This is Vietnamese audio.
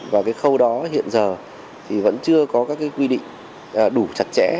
và cái khâu đó hiện giờ thì vẫn chưa có các quy định đủ chặt chẽ